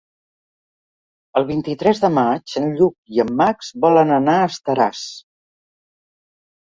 El vint-i-tres de maig en Lluc i en Max volen anar a Estaràs.